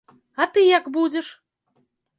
А ты як будзіш?